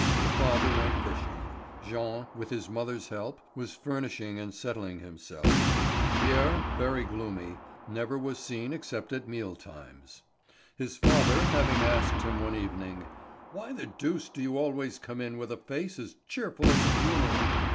The father went fishing; Jean, with his mother's help, was furnishing and settling himself; Pierre, very gloomy, never was seen excepting at meal times. His father having asked him one evening: "Why the deuce do you always come in with a face as cheerful as a funeral?